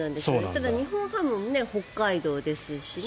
ただ、日本ハム北海道ですしね。